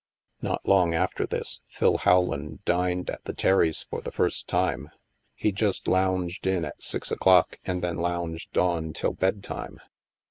Not long after this, Phil Rowland dined at the Terry s' for the first time. He just lounged in at six o'clock and then lounged on till bedtime.